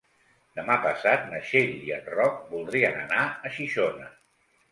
Demà passat na Txell i en Roc voldrien anar a Xixona.